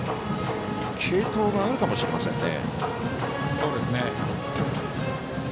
継投があるかもしれませんね。